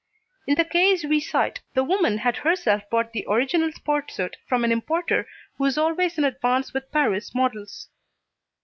In the case we cite, the woman had herself bought the original sport suit from an importer who is always in advance with Paris models.